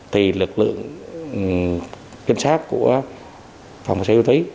thì lực lượng trinh sát của phòng xe du tí